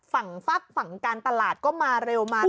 ฝั่งฟักษ์ฝั่งการตลาดทรื่มเงินมาเร็วมาได้